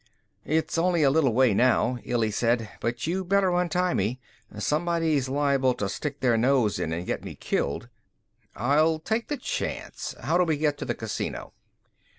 "It's only a little way now," Illy said. "But you better untie me. Somebody's liable to stick their nose in and get me killed." "I'll take the chance. How do we get to the casino?"